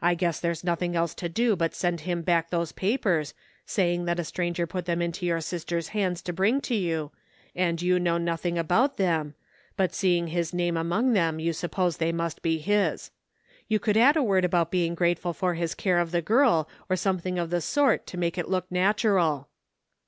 I guess there's nothing else to do but send him back those papers, saying that a stranger put them into your sister's hands to bring to you, and you know nothing about them, but seeing his name among them you sup pose they must be his. You could add a word about being grateful for his care of the girl or something of the sort to make it look natural."